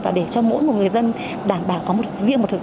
và để cho mỗi người dân đảm bảo có riêng một thực đơn xem và chọn hàng